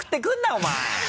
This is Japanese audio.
お前。